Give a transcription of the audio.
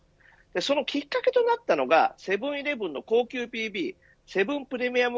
そのきっかけとなったのがセブン‐イレブンの高級ＰＢセブンプレミアム